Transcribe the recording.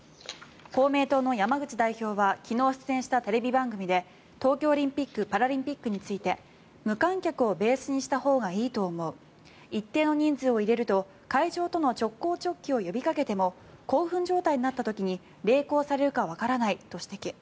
公明党の山口代表は昨日出演したテレビ番組で東京オリンピック・パラリンピックについて無観客をベースにしたほうがいいと思う一定の人数を入れると会場との直行直帰を呼びかけても興奮状態になった時に励行されるかわからないと指摘。